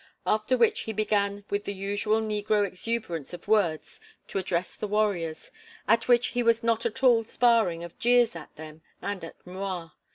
After which he began with the usual negro exuberance of words to address the warriors; at which he was not at all sparing of jeers at them and at M'Rua.